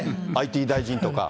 ＩＴ大臣とか。